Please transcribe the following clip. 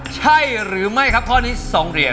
ใช่หรือไม่ครับข้อนี้๒เหรียญ